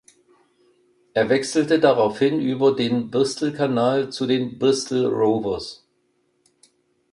Er wechselte daraufhin über den Bristolkanal zu den Bristol Rovers.